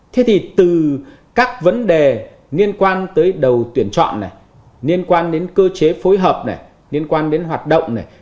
thế thì từ các vấn đề liên quan tới đầu tuyển chọn này liên quan đến cơ chế phối hợp này liên quan đến hoạt động này